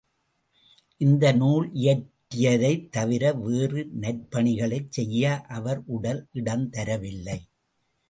இந்த நூல் இயற்றியதைத் தவிர, வேறு நற்பணிகளைச் செய்ய அவர் உடல் இடந்தரவில்லை.